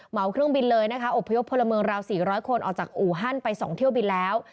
เครื่องบินเลยนะคะอบพยพพลเมืองราว๔๐๐คนออกจากอู่ฮั่นไป๒เที่ยวบินแล้ว